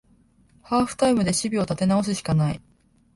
ハーフタイムで守備を立て直すしかない